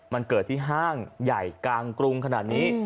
มันเกิดที่ห้างใหญ่กลางกรุงขนาดนี้